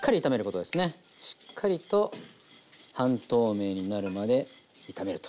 しっかりと半透明になるまで炒めると。